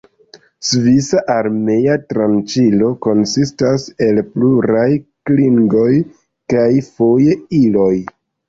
Svisa Armea Tranĉilo konsistas el pluraj klingoj kaj foje iloj.